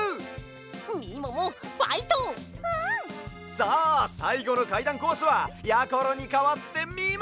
さあさいごのかいだんコースはやころにかわってみもも！